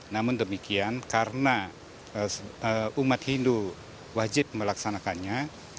namun demikian karena umat hindu wajib melaksanakannya